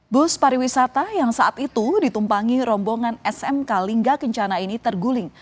bus pariwisata yang saat itu ditumpangi rombongan smk lingga kencana ini terguling